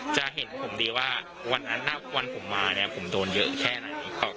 จะเห็นผมดีว่าวันนั้นวันผมมาเนี่ยผมโดนเยอะแค่ไหน